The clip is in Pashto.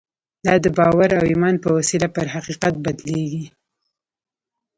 دا د باور او ایمان په وسیله پر حقیقت بدلېږي